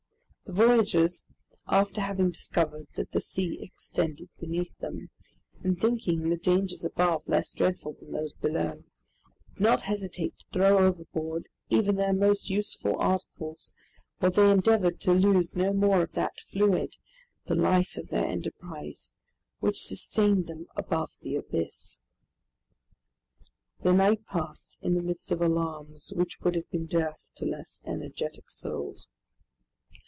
The voyagers, after having discovered that the sea extended beneath them, and thinking the dangers above less dreadful than those below, did not hesitate to throw overboard even their most useful articles, while they endeavored to lose no more of that fluid, the life of their enterprise, which sustained them above the abyss. The night passed in the midst of alarms which would have been death to less energetic souls.